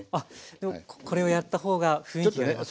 でもこれをやった方が雰囲気が出ますね。